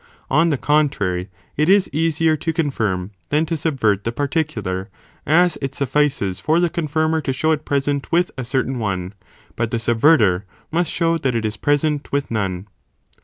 On the contrary, it is easier to confirm, eon trmet: than to subvert the particular, as it suffices for the confirmer to show it present with a certain one, but the subverter must show that it is present with none.